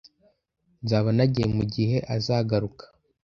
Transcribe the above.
Nzaba nagiye mugihe azagaruka.